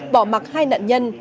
bỏ mặt hai nạn nhân